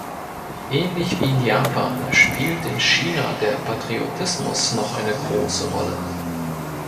Ähnlich wie in Japan spielt in China der Patriotismus noch eine große Rolle.